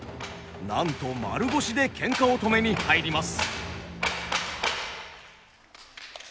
なんと丸腰でケンカを止めに入ります。